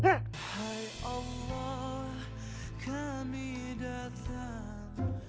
hai allah kami datang